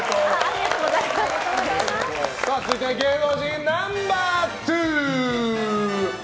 続いて芸能人ナンバー２！